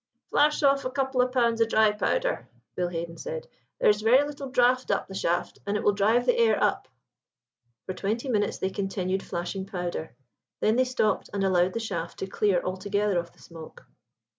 "Flash off a couple of pounds of dry powder," Bill Haden said; "there is very little draught up the shaft, and it will drive the air up." For twenty minutes they continued flashing powder. Then they stopped and allowed the shaft to clear altogether of the smoke.